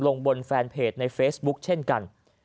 ลงบนแฟนเพจในเฟซบุ๊กเช่นกัน